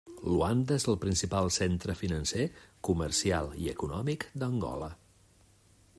Luanda és el principal centre financer, comercial i econòmic d'Angola.